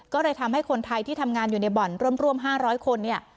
ก็เลยทำให้คนไทยที่ทำงานอยู่ในบ่อนร่วม๕๐๐คนเนี่ย